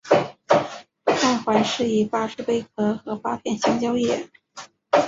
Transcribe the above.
外环饰以八只贝壳和八片香蕉叶。